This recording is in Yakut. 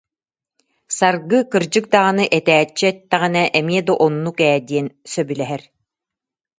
Саргы кырдьык даҕаны этээччи эттэҕинэ, эмиэ да оннук ээ диэн сөбүлэһэр